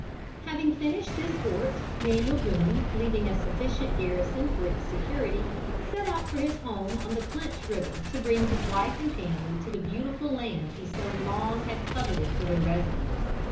Having finished this fort Daniel Boone, leaving a sufficient garrison for its security, set out for his home on the Clinch river to bring his wife and family to the beautiful land he so long had coveted for their residence.